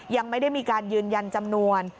ยังไม่ได้มีการยืนยันจำนวน